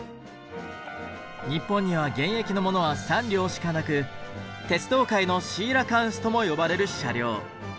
日本には現役のものは３両しかなく「鉄道界のシーラカンス」とも呼ばれる車両。